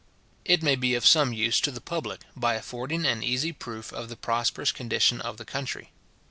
It may be of some use to the public, by affording an easy proof of the prosperous condition of the country.